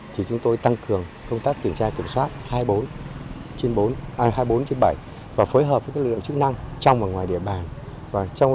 thì chúng tôi tăng cường công tác kiểm tra kiểm soát hai mươi bốn bảy và phối hợp với lực lượng chức năng trong và ngoài địa bàn